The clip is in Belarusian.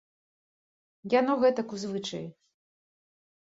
Яно гэтак у звычаі.